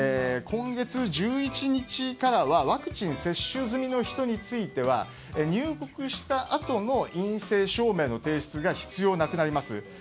今月１１日からはワクチン接種済みの人については入国したあとの陰性証明の提出が必要なくなります。